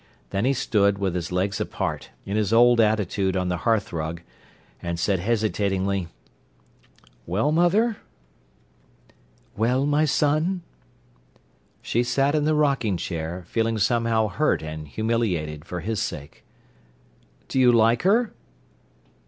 Then he stood with his legs apart, in his old attitude on the hearthrug, and said hesitatingly: "Well, mother?" "Well, my son?" She sat in the rocking chair, feeling somehow hurt and humiliated, for his sake. "Do you like her?"